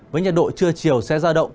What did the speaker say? với nhiệt độ trưa chiều sẽ ra động